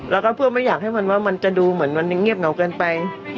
แล้วก็เพื่อไม่อยากให้มันว่ามันจะดูเหมือนมันยังเงียบเหงาเกินไป